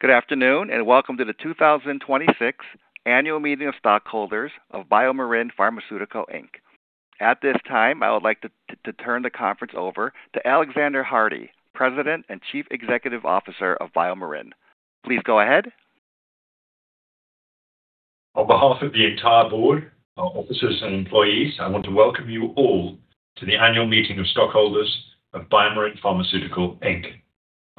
Good afternoon. Welcome to the 2026 Annual Meeting of Stockholders of BioMarin Pharmaceutical Inc. At this time, I would like to turn the conference over to Alexander Hardy, President and Chief Executive Officer of BioMarin. Please go ahead. On behalf of the entire board, our officers and employees, I want to welcome you all to the annual meeting of stockholders of BioMarin Pharmaceutical Inc.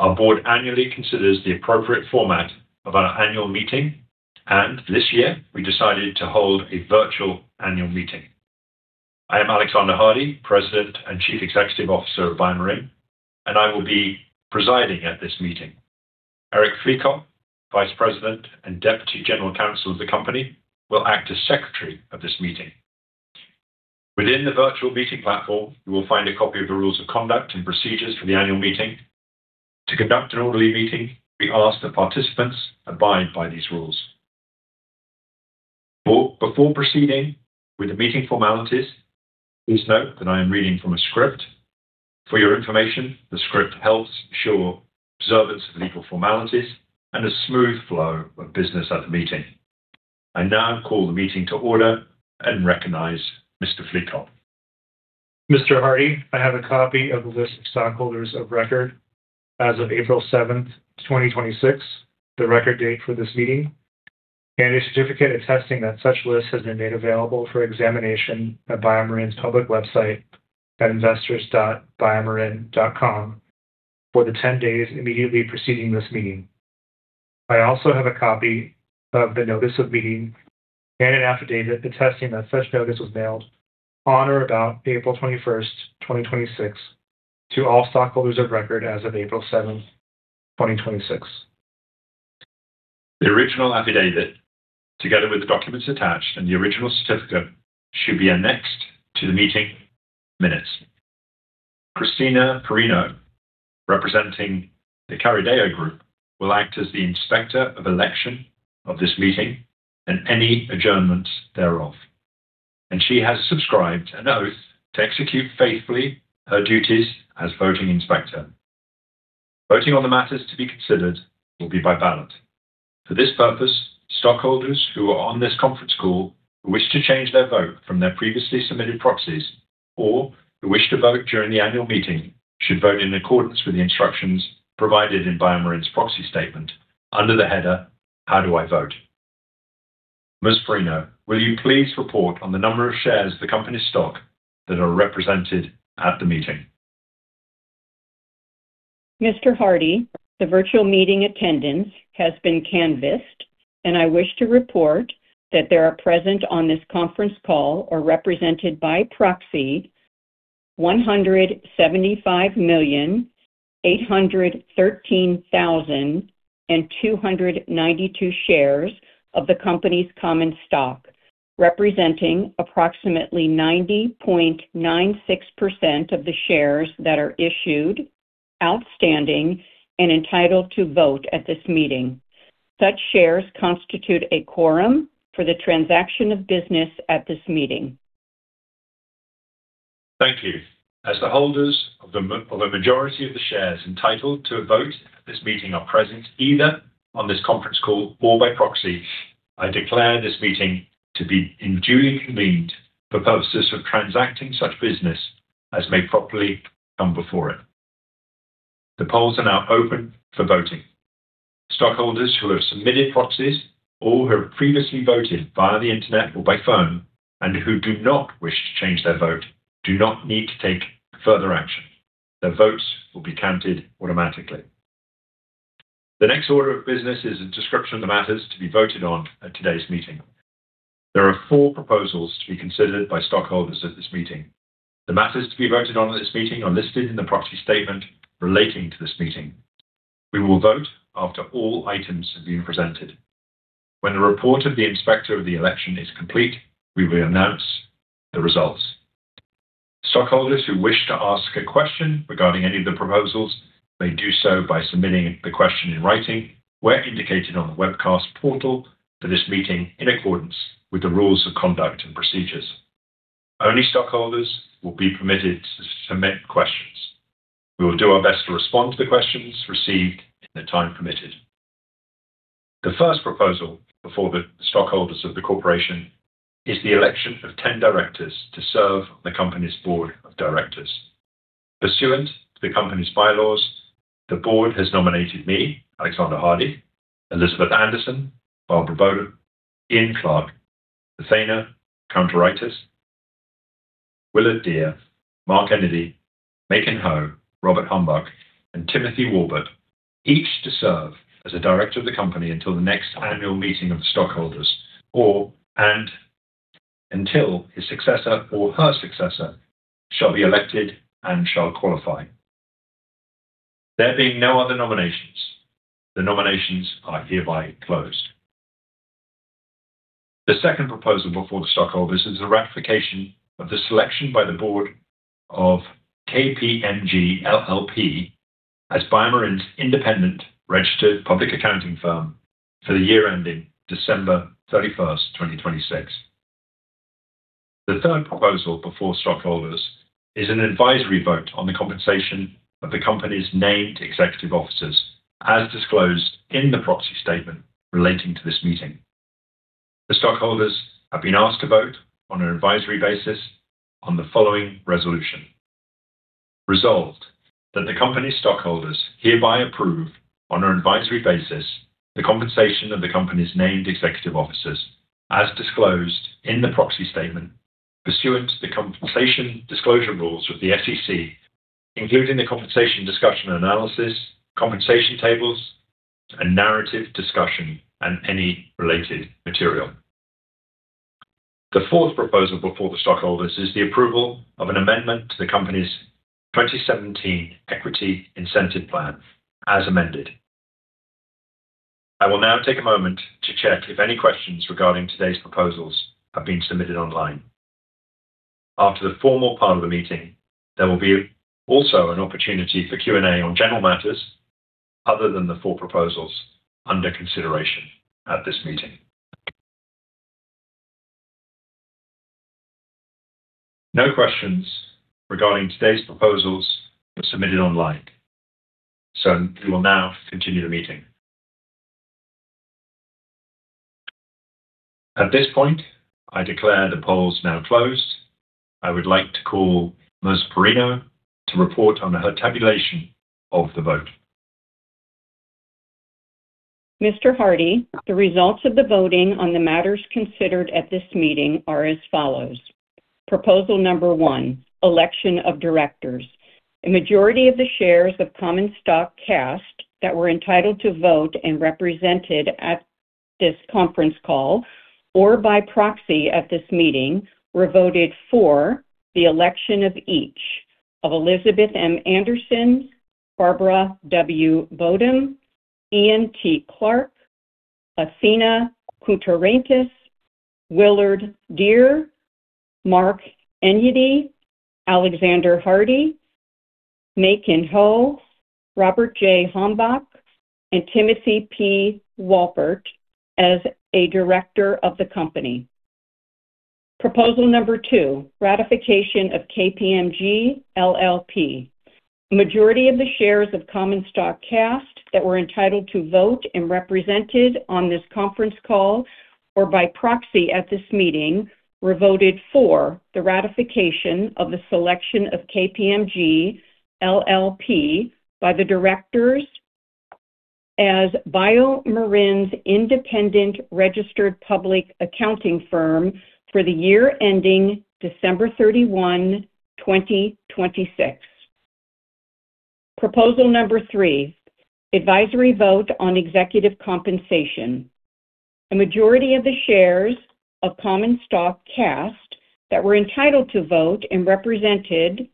Our board annually considers the appropriate format of our annual meeting, and this year we decided to hold a virtual annual meeting. I am Alexander Hardy, President and Chief Executive Officer of BioMarin, and I will be presiding at this meeting. Eric Fleekop, Vice President and Deputy General Counsel of the company, will act as Secretary of this meeting. Within the virtual meeting platform, you will find a copy of the rules of conduct and procedures for the annual meeting. To conduct an orderly meeting, we ask that participants abide by these rules. Before proceeding with the meeting formalities, please note that I am reading from a script. For your information, the script helps ensure observance of legal formalities and a smooth flow of business at the meeting. I now call the meeting to order and recognize Mr. Fleekop. Mr. Hardy, I have a copy of the list of stockholders of record as of April 7th, 2026, the record date for this meeting, and a certificate attesting that such list has been made available for examination at BioMarin's public website at investors.biomarin.com for the 10 days immediately preceding this meeting. I also have a copy of the notice of meeting and an affidavit attesting that such notice was mailed on or about April 21st, 2026, to all stockholders of record as of April 7th, 2026. The original affidavit, together with the documents attached and the original certificate, should be annexed to the meeting minutes. Christina Perino, representing the Carideo Group, will act as the Inspector of Election of this meeting and any adjournments thereof, and she has subscribed an oath to execute faithfully her duties as voting inspector. Voting on the matters to be considered will be by ballot. For this purpose, stockholders who are on this conference call who wish to change their vote from their previously submitted proxies or who wish to vote during the annual meeting should vote in accordance with the instructions provided in BioMarin's proxy statement under the header "How do I vote?" Ms. Perino, will you please report on the number of shares of the company stock that are represented at the meeting? Mr. Hardy, the virtual meeting attendance has been canvassed, and I wish to report that there are present on this conference call, or represented by proxy, 175,813,292 shares of the company's common stock, representing approximately 90.96% of the shares that are issued, outstanding, and entitled to vote at this meeting. Such shares constitute a quorum for the transaction of business at this meeting. Thank you. As the holders of the majority of the shares entitled to a vote at this meeting are present either on this conference call or by proxy, I declare this meeting to be duly convened for purposes of transacting such business as may properly come before it. The polls are now open for voting. Stockholders who have submitted proxies or who have previously voted via the internet or by phone and who do not wish to change their vote do not need to take further action. Their votes will be counted automatically. The next order of business is a description of the matters to be voted on at today's meeting. There are four proposals to be considered by stockholders at this meeting. The matters to be voted on at this meeting are listed in the proxy statement relating to this meeting. We will vote after all items have been presented. When the report of the inspector of the election is complete, we will announce the results. Stockholders who wish to ask a question regarding any of the proposals may do so by submitting the question in writing where indicated on the webcast portal for this meeting in accordance with the rules of conduct and procedures. Only stockholders will be permitted to submit questions. We will do our best to respond to the questions received in the time permitted. The first proposal before the stockholders of the corporation is the election of 10 directors to serve on the company's board of directors. Pursuant to the company's bylaws, the board has nominated me, Alexander Hardy, Elizabeth Anderson, Barbara Bodem, Ian Clark, Athena Countouriotis, Willard Deer, Mark Enyedy, Maykin Ho, Robert J. Hombach, and Timothy Walbert, each to serve as a director of the company until the next annual meeting of the stockholders or/and until his successor or her successor shall be elected and shall qualify. There being no other nominations, the nominations are hereby closed. The second proposal before the stockholders is the ratification of the selection by the board of KPMG LLP as BioMarin's independent registered public accounting firm for the year ending December 31st, 2026. The third proposal before stockholders is an advisory vote on the compensation of the company's named executive officers, as disclosed in the proxy statement relating to this meeting. The stockholders have been asked to vote on an advisory basis on the following resolution. Resolved, that the company's stockholders hereby approve, on an advisory basis, the compensation of the company's named executive officers, as disclosed in the proxy statement pursuant to the compensation disclosure rules with the SEC, including the compensation discussion and analysis, compensation tables, and narrative discussion and any related material. The fourth proposal before the stockholders is the approval of an amendment to the company's 2017 Equity Incentive Plan, as amended. I will now take a moment to check if any questions regarding today's proposals have been submitted online. After the formal part of the meeting, there will be also an opportunity for Q&A on general matters other than the four proposals under consideration at this meeting. No questions regarding today's proposals were submitted online. We will now continue the meeting. At this point, I declare the polls now closed. I would like to call Ms. Perino to report on her tabulation of the vote. Mr. Hardy, the results of the voting on the matters considered at this meeting are as follows. Proposal number one, election of directors. A majority of the shares of common stock cast that were entitled to vote and represented at this conference call, or by proxy at this meeting, were voted for the election of each of Elizabeth M. Anderson, Barbara W. Bowden, Ian T. Clark, Athina Koutourakis, Willard Deer, Mark Enyedi, Alexander Hardy, Macon Ho, Robert J. Hombach, and Timothy P. Walpert as a director of the company. Proposal number two, ratification of KPMG LLP. Majority of the shares of common stock cast that were entitled to vote and represented on this conference call, or by proxy at this meeting, were voted for the ratification of the selection of KPMG LLP by the directors as BioMarin's independent registered public accounting firm for the year ending December 31, 2026. Proposal number three, advisory vote on executive compensation. A majority of the shares of common stock cast that were entitled to vote and represented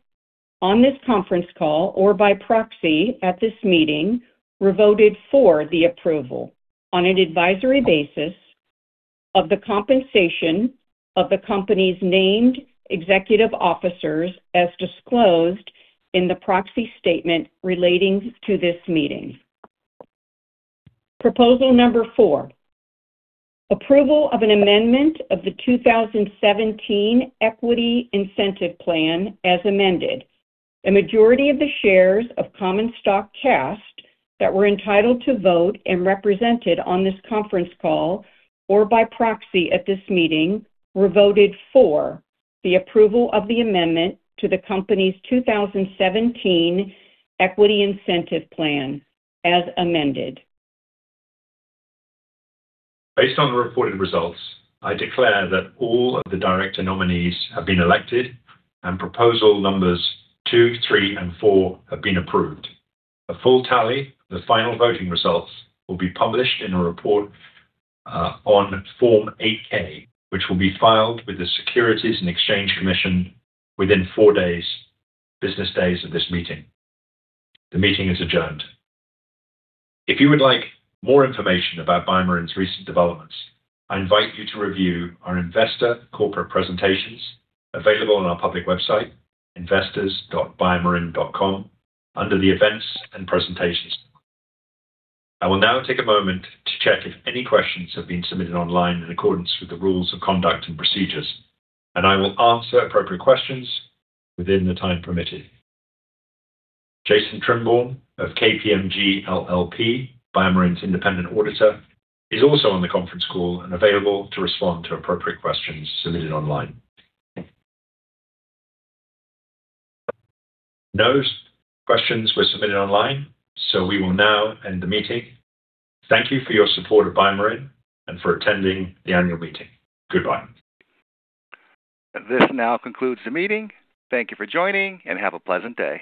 on this conference call, or by proxy at this meeting, were voted for the approval on an advisory basis of the compensation of the company's named executive officers as disclosed in the proxy statement relating to this meeting. Proposal number four, approval of an amendment of the 2017 Equity Incentive Plan, as amended. A majority of the shares of common stock cast that were entitled to vote and represented on this conference call, or by proxy at this meeting, were voted for the approval of the amendment to the company's 2017 Equity Incentive Plan, as amended. Based on the reported results, I declare that all of the director nominees have been elected and proposal numbers two, three, and four have been approved. A full tally of the final voting results will be published in a report on Form 8-K, which will be filed with the Securities and Exchange Commission within four business days of this meeting. The meeting is adjourned. If you would like more information about BioMarin's recent developments, I invite you to review our investor corporate presentations available on our public website, investors.biomarin.com, under the Events and Presentations. I will now take a moment to check if any questions have been submitted online in accordance with the rules of conduct and procedures, and I will answer appropriate questions within the time permitted. Jason Trimborne of KPMG LLP, BioMarin's independent auditor, is also on the conference call and available to respond to appropriate questions submitted online. No questions were submitted online, we will now end the meeting. Thank you for your support of BioMarin and for attending the annual meeting. Goodbye. This now concludes the meeting. Thank you for joining, and have a pleasant day.